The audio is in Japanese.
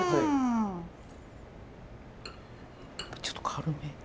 ちょっと軽め。